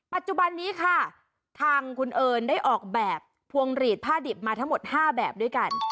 ปัจจุบันนี้ค่ะทางคุณเอิญได้ออกแบบพวงหลีดผ้าดิบมาทั้งหมด๕แบบด้วยกัน